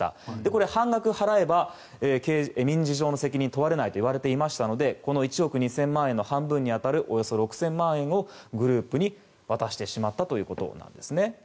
これ、半額を払えば民事上の責任は問われないと言われていましたので１億２０００万円の半分に当たるおよそ６０００万円をグループに渡してしまったということです。